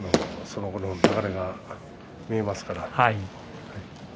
その後の流れが見えますから。